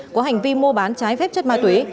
có hành vi mua bán trái phép chất ma túy